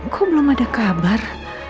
kok belum ada kabar